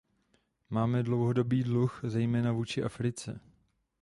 Máme dlouhodobý dluh, zejména vůči Africe.